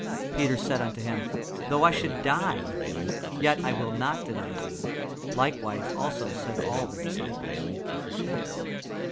Peter said unto him, Though I should die with thee, yet will I not deny thee. Likewise also said all the disciples.